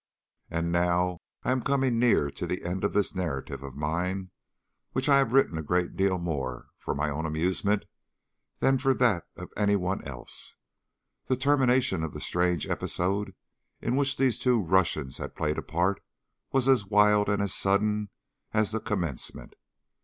And now I am coming near the end of this narrative of mine, which I have written a great deal more for my own amusement than for that of any one else. The termination of the strange episode in which these two Russians had played a part was as wild and as sudden as the commencement.